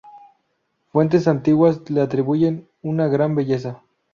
Fuentes antiguas le atribuyen una gran belleza.